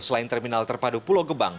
selain terminal terpadu pulau gebang